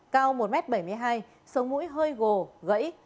cao một m bảy mươi hai sống mũi hơi gồ gãy